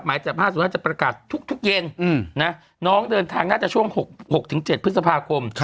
หมายจับ๕๐๕จะประกาศทุกเย็นน้องเดินทางน่าจะช่วง๖๗พฤษภาคม